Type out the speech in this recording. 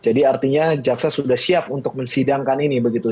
jadi artinya jaksa sudah siap untuk mensidangkan ini begitu